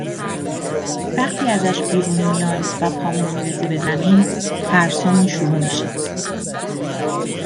وقتی ازش بیرون میایم و پامون میرسه به زمین، ترسامون شروع میشه